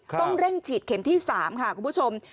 ต้องเร่งฉีดเข็มที่๓ค่ะคุณผู้ชม